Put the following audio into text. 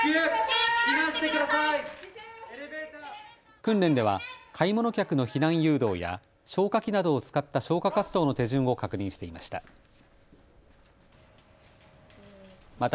訓練では買い物客の避難誘導や消火器などを使った消火活動の手順を確認していました。